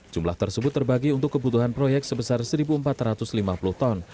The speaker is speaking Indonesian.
jumlah tersebut terbagi untuk kebutuhan proyek sebesar satu empat ratus lima puluh ton